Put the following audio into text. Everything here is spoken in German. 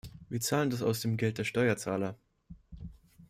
Wir zahlen das aus dem Geld der Steuerzahler.